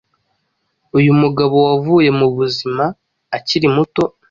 Uyu mugabo wavuye mu bazima akiri muto